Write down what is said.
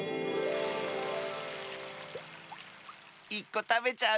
１こたべちゃう？